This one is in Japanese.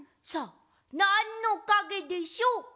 さあなんのかげでしょう？